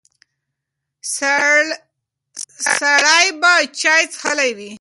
سړی به چای څښلی وي.